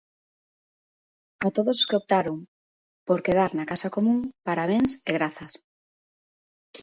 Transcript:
"A todos os que optaron por quedar na casa común, parabéns e grazas".